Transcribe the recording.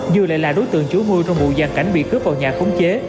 dư lại là đối tượng chủ mưu trong vụ giàn cảnh bị cướp vào nhà khống chế